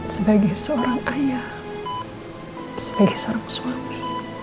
sebagai seorang ayah sebagai seorang suami